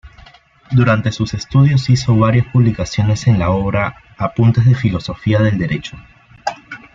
Durante sus estudios hizo varias publicaciones en la obra "Apuntes de Filosofía del Derecho".